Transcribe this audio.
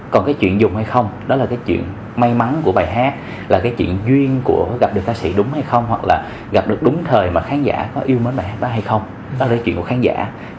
còn cái chuyện dùng hay không đó là cái chuyện may mắn của bài hát là cái chuyện duyên của gặp được ca sĩ đúng hay không hoặc là gặp được đúng thời mà khán giả có yêu mến bài hát đó hay không có lời chuyện của khán giả